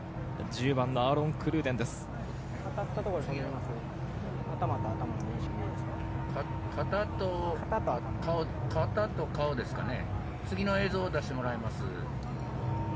１０番のアーロン・クルーデンです。